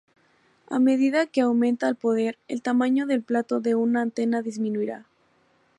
A medida que aumenta el poder, el tamaño del plato de una antena disminuirá.